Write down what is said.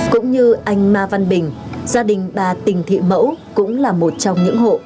cũng như anh ma văn bình gia đình bà tình thị mẫu cũng là một trong những hộ